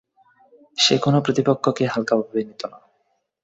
সে কোন প্রতিপক্ষকে হালকা ভাবে নিত না।